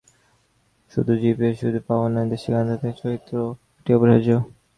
শুধু জিএসপি সুবিধা পাওয়া নয়, দেশের গণতান্ত্রিক চরিত্র পুনরুদ্ধারেও এটি অপরিহার্য।